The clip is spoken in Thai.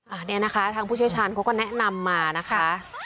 อันนี้นะคะทางผู้เชี่ยวชาญเขาก็แนะนำมานะคะ